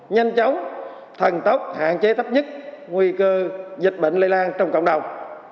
nhanh chóng thần tốc hạn chế thấp nhất nguy cơ dịch bệnh lây lan trong cộng đồng